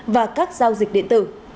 và các giao dịch điện tử